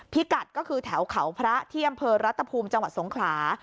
กัดก็คือแถวเขาพระที่อำเภอรัตภูมิจังหวัดสงขลา